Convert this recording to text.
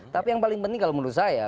tapi yang paling penting kalau menurut saya